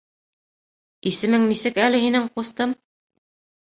— Исемең нисек әле һинең, ҡустым?